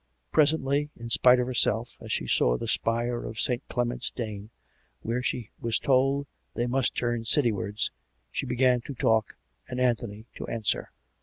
Presently, in spite of herself, as she saw the spire of St. Clement's Dane, where she was told they must turn City wards, she began to talk, and Anthony to answer.